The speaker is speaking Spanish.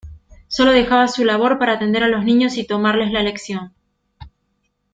Sólo dejaba su labor para atender a los niños y tomarles la lección.